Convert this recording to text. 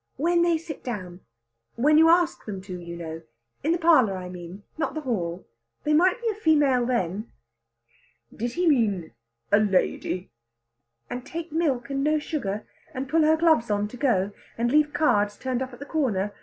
"When they sit down. When you ask them to, you know. In the parlour, I mean not the hall. They might be a female then." "Did he mean a lady?" "And take milk and no sugar? And pull her gloves on to go? And leave cards turned up at the corner?